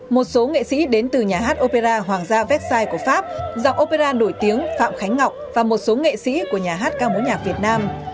một số nghệ sĩ đến từ nhà hát opera hoàng gia vecsae của pháp dọc opera nổi tiếng phạm khánh ngọc và một số nghệ sĩ của nhà hát cao mối nhạc việt nam